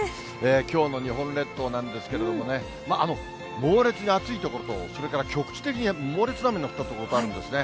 きょうの日本列島なんですけどもね、猛烈に暑い所と、それから局地的に猛烈な雨が降った所とあるんですね。